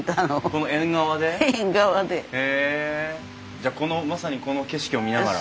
じゃあこのまさにこの景色を見ながら。